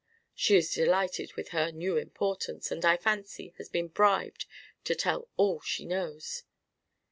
"She is delighted with her new importance, and, I fancy, has been bribed to tell all she knows."